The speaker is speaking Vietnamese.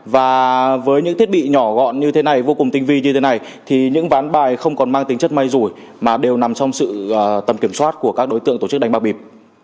và với những thiết bị nhỏ gọn như thế này vô cùng tinh vi như thế này thì những ván bài không còn mang tính chất may rủi mà đều nằm trong sự tầm kiểm soát của các đối tượng tổ chức đánh bạc bịp